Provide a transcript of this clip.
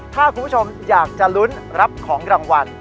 ถ้าคุณผู้ชมอยากจะลุ้นรับของรางวัล